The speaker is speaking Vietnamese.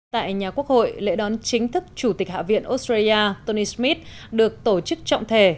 tại nhà quốc hội lễ đón chính thức chủ tịch hạ viện australia tony smith được tổ chức trọng thể